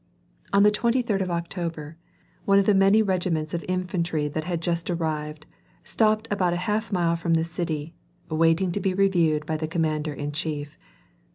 On the twenty third of October, one of the many regiments of infantry that had just arrived, stopped about half a mile from the "city, waiting to be reviewed by the commander in chief.